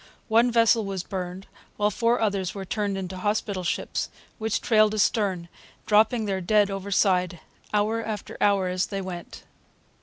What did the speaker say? One vessel was burned, while four others were turned into hospital ships, which trailed astern, dropping their dead overside, hour after hour, as they went.